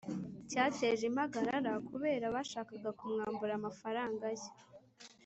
cyateje impagarara kubera bashakaga kumwambura amafaranga ye